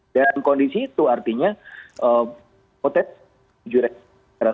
dan kondisi itu artinya potensi juridikasi